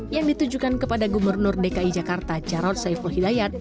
yang ditujukan kepada gubernur dki jakarta jarod saiful hidayat